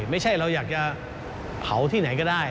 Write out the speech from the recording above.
ไม่ใช่เราอยากจะเผาที่ไหนก็ได้